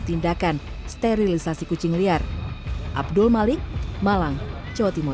tindakan sterilisasi kucing liar abdul malik malang jawa timur